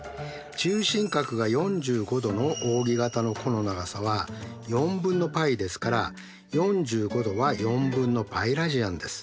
中心角が４５°のおうぎ形の弧の長さは４分のπですから４５°は４分のπラジアンです。